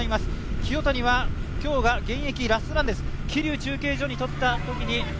清谷は今日が現役ラストランです。